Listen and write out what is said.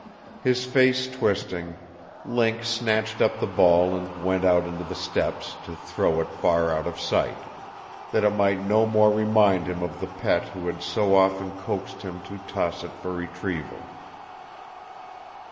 His face twisting, Link snatched up the ball and went out onto the steps to throw it far out of sight; that it might no more remind him of the pet who had so often coaxed him to toss it for retrieval.